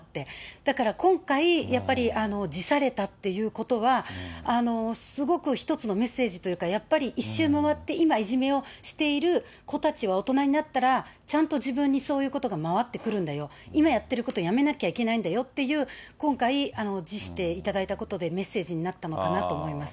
だから今回、やっぱり辞されたということは、すごく一つのメッセージというか、やっぱり１周回って、今いじめをしている子たちは大人になったら、ちゃんと自分にそういうことが回ってくるんだよ、今やってることやめなきゃいけないんだよっていう、今回、辞していただいたことで、メッセージになったのかなと思います。